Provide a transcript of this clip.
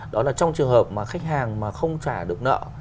đó là trong trường hợp mà khách hàng mà không trả được nợ